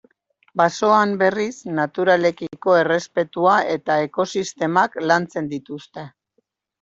Basoan, berriz, naturarekiko errespetua eta ekosistemak lantzen dituzte.